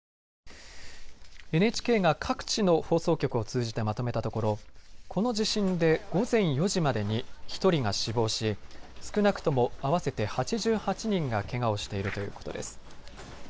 ＮＨＫが各地の放送局を通じてまとめたところ、この地震で午前４時までに１人が死亡し少なくとも合わせて８８人がけがをしているということです。